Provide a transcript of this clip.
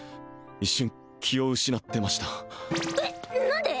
一瞬気を失ってましたえっ何で！？